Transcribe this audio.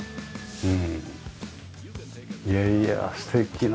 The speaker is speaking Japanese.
うん。